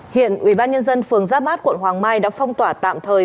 hiện ubnd phường giáp bát quận hoàng mai đã phong tỏa tạm thời